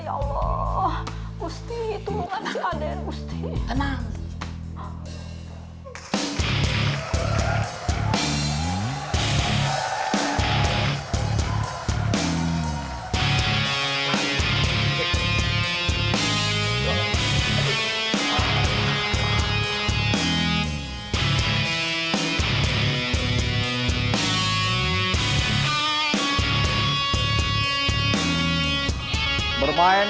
ya allah musti itu ada yang musti tenang hai hai